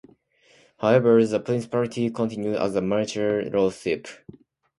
However the principality continued as a marcher lordship.